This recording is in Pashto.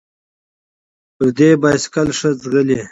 ـ پردى بايسکل ښه ځغلي.